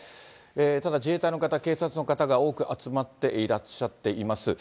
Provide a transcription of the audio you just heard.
ただ自衛隊の方、警察の方が多く集まっていらっしゃっています。